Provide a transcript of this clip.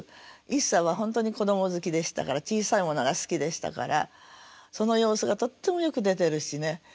一茶は本当に子ども好きでしたから小さいものが好きでしたからその様子がとってもよく出てるしね。